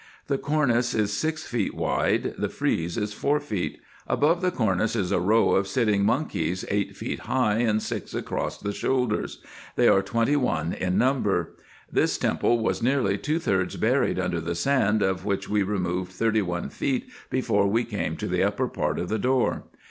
The cornice is six feet wide, the frize is four feet. Above the cornice is a row of sitting monkeys eight feet high, and six across the shoulders. They are twenty one in number. This temple was nearly two thirds buried under the sand, of which we removed thirty one feet before we came 214 RESEARCHES AND OPERATIONS to the upper part of the door.